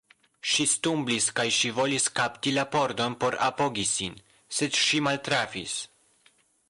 Ŝi stumblis, kaj ŝi volis kapti la pordon por apogi sin, sed ŝi maltrafis.